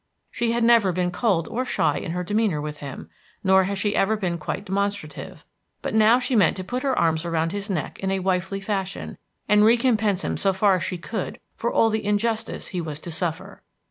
She had never been cold or shy in her demeanor with him, nor had she ever been quite demonstrative; but now she meant to put her arms around his neck in a wifely fashion, and recompense him so far as she could for all the injustice he was to suffer.